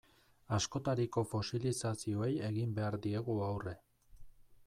Askotariko fosilizazioei egin behar diegu aurre.